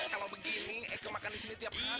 kalo begini eke makan disini tiap hari deh